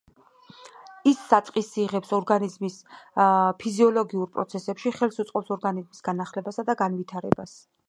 ის საწყისს იღებს ორგანიზმის ფიზიოლოგიურ პროცესებში, ხელს უწყობს ორგანიზმის განახლებასა და განვითარებას.